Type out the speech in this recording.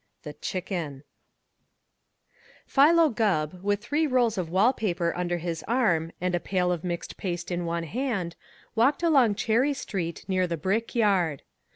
THE CHICKEN Philo Gubb, with three rolls of wall paper under his arm and a pail of mixed paste in one hand, walked along Cherry Street near the brick yard.